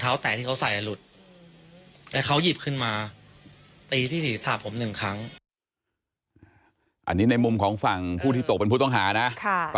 และเขาก็กระทืบมาที่ไทยทอยผมอีกหนึ่งครั้งแต่ที่มีภาพ